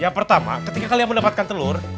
yang pertama ketika kalian mendapatkan telur